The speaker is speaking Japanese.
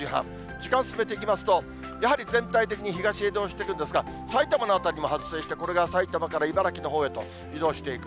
時間進めていきますと、やはり全体的に東へ移動していくんですが、埼玉の辺りも発生して、これが埼玉から茨城のほうへと移動していく。